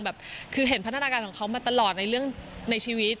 แบบคือเห็นพัฒนาการของเขามาตลอดในเรื่องในชีวิต